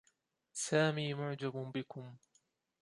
سامي معجب بكم.